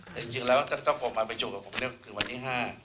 แต่จริงแล้วถ้าจะต้องออกมาประชุมกับผมเนี่ยคือวันที่๕